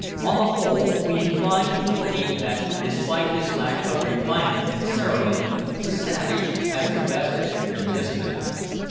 On the whole, we incline to the belief that, despite his lack of refinement and ceremony, the savage has the best of it in this matter.